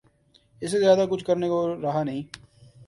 اس سے زیادہ کچھ کرنے کو رہا نہیں۔